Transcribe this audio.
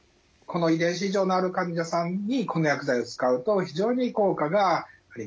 この遺伝子異常のある患者さんにこの薬剤を使うと非常に効果がありました。